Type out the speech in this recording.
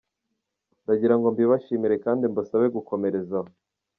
Ndagira ngo mbibashimire kandi mbasabe gukomereza aho.